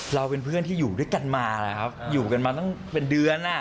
เราเป็นเพื่อนที่อยู่ด้วยกันมานะครับอยู่กันมาตั้งเป็นเดือน